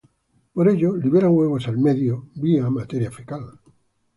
Tras ello liberan huevos al medio vía materia fecal.